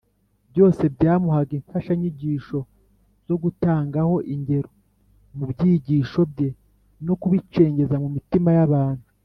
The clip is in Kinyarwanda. byose byamuhaga imfashanyigisho zo gutangaho ingero mu byigisho bye no kubicengeza mu mitima y’abantu